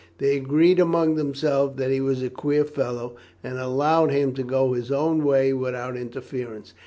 They agreed among themselves that he was a queer fellow, and allowed him to go his own way without interference.